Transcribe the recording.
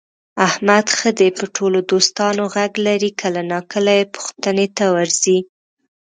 احمد ښه دی په ټول دوستانو غږ لري، کله ناکله یې پوښتنې ته ورځي.